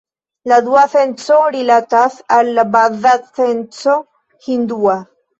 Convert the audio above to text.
La dua senco rilatas al la baza senco hindua.